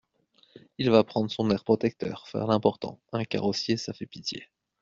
Il va prendre son air protecteur… faire l’important !… un carrossier ! ça fait pitié !